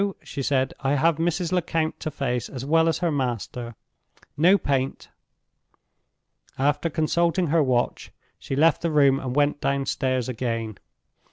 she said. "I have Mrs. Lecount to face as well as her master. No paint." After consulting her watch, she left the room and went downstairs again.